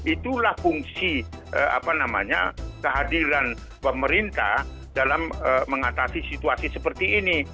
itulah fungsi kehadiran pemerintah dalam mengatasi situasi seperti ini